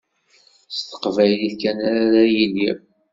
S teqbaylit kan ara yili.